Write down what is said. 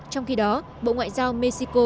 trong khi đó bộ ngoại giao mexico